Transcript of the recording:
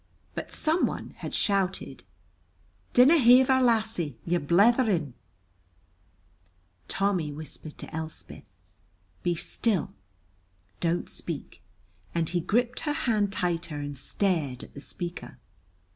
But someone had shouted "Dinna haver, lassie; you're blethering!" Tommy whispered to Elspeth, "Be still; don't speak," and he gripped her hand tighter and stared at the speaker.